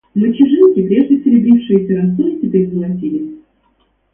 Мочежинки, прежде серебрившиеся росой, теперь золотились.